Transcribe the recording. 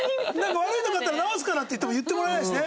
「悪いとこあったら直すから」って言っても言ってもらえないしね。